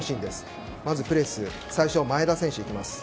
まずプレス最初、前田選手いきます。